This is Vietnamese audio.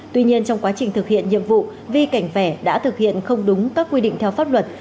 tuy nhiên trong quá trình thực hiện nhiệm vụ vi cảnh vẽ đã thực hiện không đúng các quy định theo pháp luật